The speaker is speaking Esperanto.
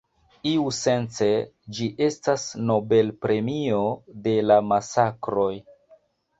Iusence ĝi estas Nobel-premio de la masakroj.